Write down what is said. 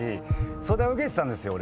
相談受けてたんですよ俺。